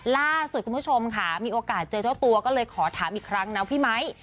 ล่าสุดคุณผู้ชมค่ะมีโอกาสเจอเจ้าตัวก็เลยขอถามอีกครั้งนะพี่ไมค์